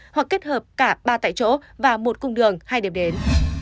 hoặc kết hợp cả ba tại chỗ và một cung đường hai điểm đến